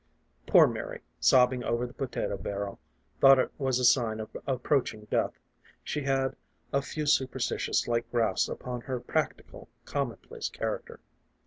Poor Mary, sobbing over the potato barrel, thought it was a sign of approaching death. She had a few super stitious like grafts upon her practical, commonplace char acter.